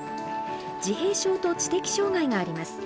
自閉症と知的障害があります。